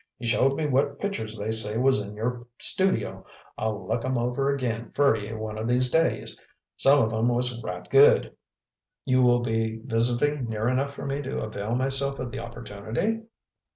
"He showed me what pitchers they was in your studio. I'll luk 'em over again fer ye one of these days. Some of 'em was right gud." "You will be visiting near enough for me to avail myself of the opportunity?"